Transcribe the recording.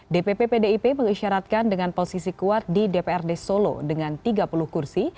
dpp pdip mengisyaratkan dengan posisi kuat di dprd solo dengan tiga puluh kursi